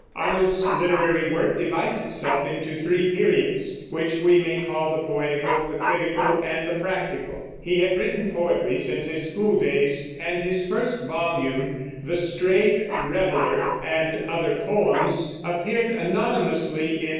Arnold's literary work divides itself into three periods, which we may call the poetical, the critical, and the practical. He had written poetry since his school days, and his first volume, The Strayed Reveller and Other Poems, appeared anonymously in 1849.